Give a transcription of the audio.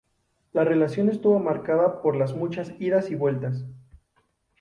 La relación estuvo marcada por las muchas idas y vueltas.